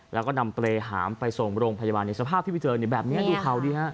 แล้วก็นำเปรย์หามไปส่งโรงพยาบาลในสภาพที่ไปเจอแบบนี้ดูเขาดีฮะ